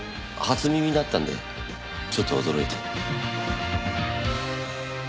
初耳だったんでちょっと驚いて。